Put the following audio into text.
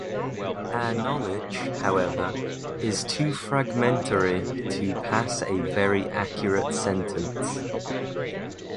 Our knowledge, however, is too fragmentary to pass a very accurate sentence.